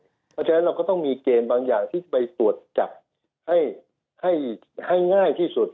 เพราะฉะนั้นเราก็ต้องมีเกณฑ์บางอย่างที่ไปตรวจจับให้ง่ายที่สุด